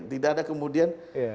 tidak ada kemudian